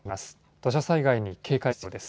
土砂災害に警戒が必要です。